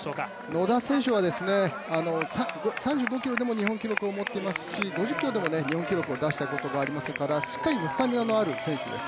野田選手は、３５ｋｍでも日本記録を持っていますし、２０ｋｍでも日本記録を出したこともありますからしっかりスタミナのある選手です